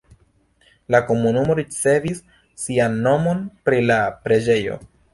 La komunumo ricevis sian nomon pri la preĝejo.